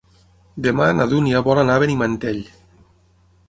Demà na Dúnia vol anar a Benimantell.